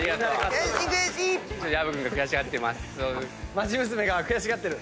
町娘が悔しがってる。